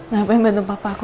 ngapain bantu papa aku